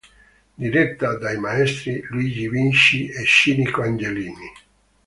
Diretta dai maestri: Luigi Vinci e Cinico Angelini.